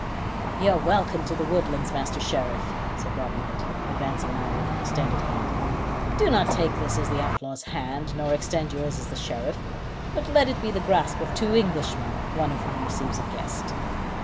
"You're welcome to the woodlands, Master Sheriff," said Robin Hood, advancing now with extended hand. "Do not take this as the outlaw's hand, nor extend yours as the Sheriff; but let it be the grasp of two Englishmen, one of whom receives a guest."